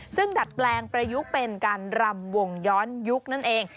ซึ่งดัดแปลงประยุกต์เป็นการรำวงย้อนยุคนั่นเอง